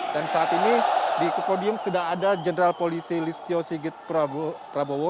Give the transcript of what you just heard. dan saat ini di podium sudah ada jenderal polisi listio sigit prabowo